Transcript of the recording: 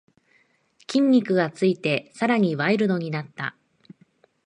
筋肉がついてさらにワイルドになった